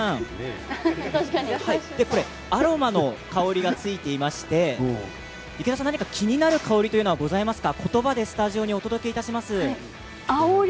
アロマの香りがついていまして、何か気になる香りがありますか？